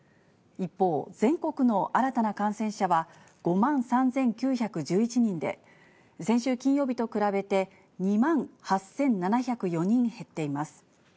一方、全国の新たな感染者は５万３９１１人で、先週金曜日と比べて２万８７０４人減っています。